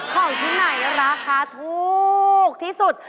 ของที่ไหนราคาทูกที่สุด